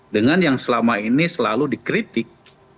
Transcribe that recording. dengan yang selama ini selalu dikritik